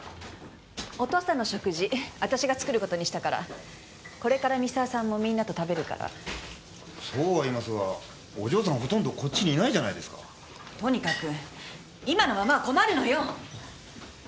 お父さんの食事私が作ることにしたからこれから三沢さんもみんなと食べるからそうは言いますがお嬢さんほとんどこっちにいないじゃないですかとにかく今のままは困るのよ！